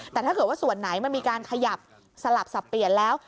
แต่ถ้าเกิดว่าส่วนไหนมันมีการขยับสลับสับเปลี่ยนแล้ว